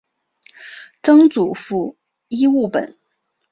曾祖父尹务本。